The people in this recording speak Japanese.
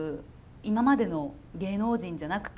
今までの芸能人じゃなくて。